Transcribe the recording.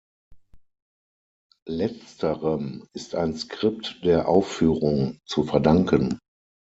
Letzterem ist ein Skript der Aufführung zu verdanken.